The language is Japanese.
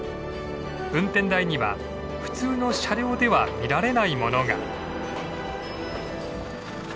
運転台には普通の車両では見られないものが。